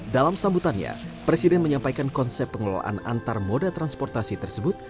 dalam sambutannya presiden menyampaikan konsep pengelolaan antar moda transportasi tersebut